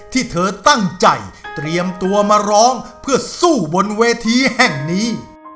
ที่เธอตั้งใจเตรียมตัวมาร้องเพื่อสู้บนเวทีแห่งนี้